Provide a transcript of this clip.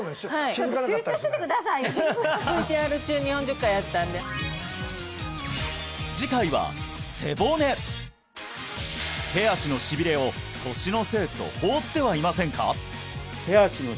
集中しててくださいＶＴＲ中に４０回やったんで次回は背骨手足のしびれを年のせいと放ってはいませんか？